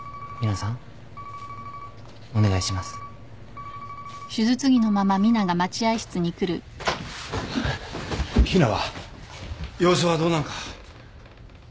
様子はどうなんか？